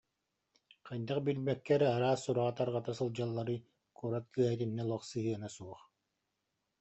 Хайдах билбэккэ эрэ араас сураҕы тарҕата сылдьалларый, куорат кыыһа итиннэ олох сыһыана суох